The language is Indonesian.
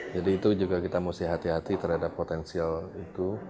jadi itu juga kita harus hati hati terhadap potensial itu